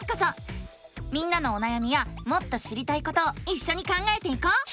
みんなのおなやみやもっと知りたいことをいっしょに考えていこう！